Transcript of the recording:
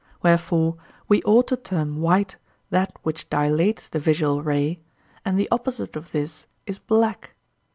Wherefore, we ought to term white that which dilates the visual ray, and the opposite of this is black.